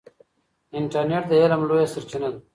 انټرنیټ د علم لویه سرچینه ده.